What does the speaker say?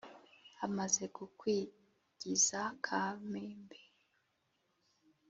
Amaze kukwigiza Kamembe